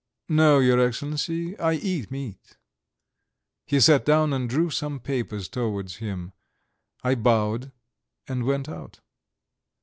"No, your Excellency, I eat meat." He sat down and drew some papers towards him. I bowed and went out.